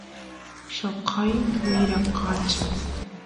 lloqay wyrakachas